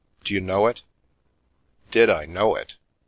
D'you know it ?" Did I know it?